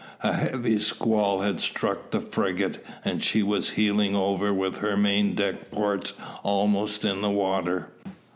A heavy squall had struck the frigate, and she was heeling over with her main deck ports almost in the water.